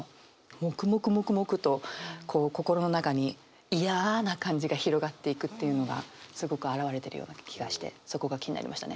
もくもくもくもくとこう心の中にいやな感じが広がっていくというのがすごく表れてるような気がしてそこが気になりましたね。